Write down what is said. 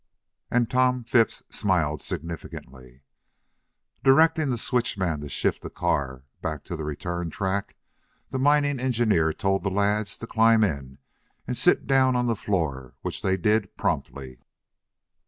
And Tom Phipps smiled significantly. Directing the switch man to shift the car back to the return track, the mining engineer told the lads to climb in and sit down on the floor, which they did promptly.